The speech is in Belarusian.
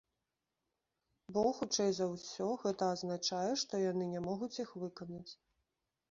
Бо, хутчэй за ўсё, гэта азначае, што яны не могуць іх выканаць.